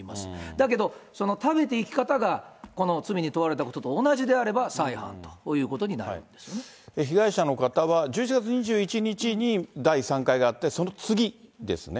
だけど、その食べていき方が、この罪に問われたことと同じであれば、再犯ということになるんで被害者の方は、月２１日に第３回があって、その次ですね。